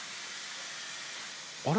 あれ？